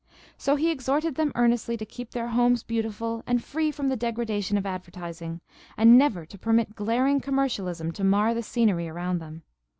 So he exhorted them earnestly to keep their homes beautiful and free from the degradation of advertising, and never to permit glaring commercialism to mar the scenery around them.